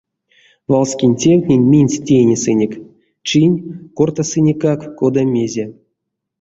Валскень тевтнень минсь тейнесынек, чинь — кортасынекак кода-мезе.